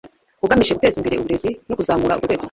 ugamije guteza imbere uburezi no kuzamura urwo rwego